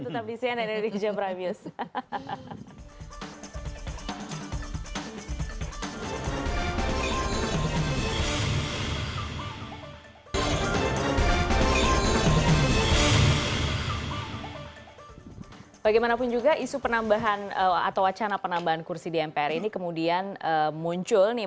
tetap di cnn indonesia premium